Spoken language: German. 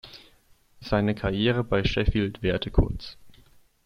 Seine Karriere bei Sheffield währte kurz.